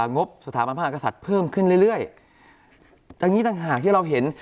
งบสถาบันพระมหากษัตริย์เพิ่มขึ้นเรื่อยเรื่อยดังนี้ต่างหากที่เราเห็น